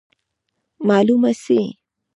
معلومه سي.